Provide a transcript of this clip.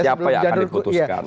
siapa yang akan diputuskan